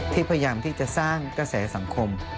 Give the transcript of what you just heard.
พยายามที่จะสร้างกระแสสังคม